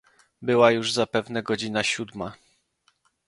"Była już zapewne godzina siódma."